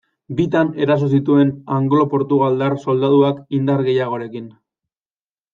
Bitan eraso zituen anglo-portugaldar soldaduak indar gehiagorekin.